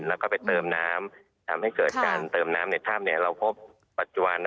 แล้วก็ไปเติมน้ำทำให้เกิดการเติมน้ำในถ้ำเราพบปัจจุบัน